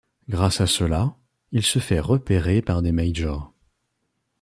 Grâce à cela, il se fait repérer par des majors.